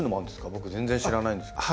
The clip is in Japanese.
僕全然知らないんですけど。